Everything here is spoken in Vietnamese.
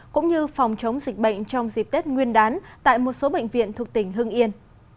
cũng như phòng chống dịch bệnh trong dịp tết nguyên đán tại một số bệnh viện thuộc tỉnh hưng yên